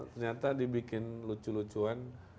ternyata dibikin lucu lucuan